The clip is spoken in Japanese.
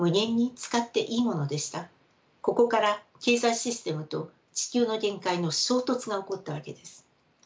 ここから経済システムと地球の限界の衝突が起こったわけです。